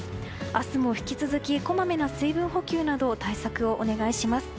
明日も引き続きこまめな水分補給など対策をお願いします。